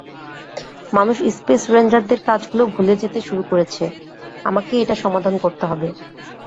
মানুষ স্পেস রেঞ্জারদের কাজগুলো ভুলে যেতে শুরু করেছে আমাকেই এটার সমাধান করতে হবে।